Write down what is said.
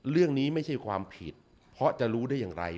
เรื่องนี้ไม่ใช่ความผิดเพราะจะรู้ได้อย่างไร